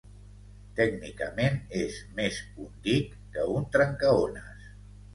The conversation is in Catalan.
Tècnicament, és més un dic que un trencaones.